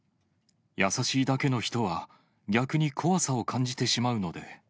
優しいだけの人は逆に怖さを感じてしまうので。